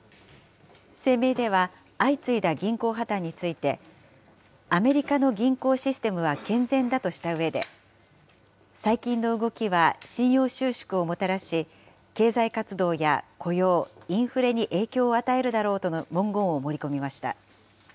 声明では相次いだ銀行破綻について、アメリカの銀行システムは健全だとしたうえで、最近の動きは信用収縮をもたらし、経済活動や雇用、インフレに影響を与えるだろうとの文言を盛り込みました。